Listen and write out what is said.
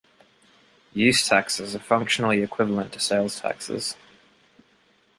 Use taxes are functionally equivalent to sales taxes.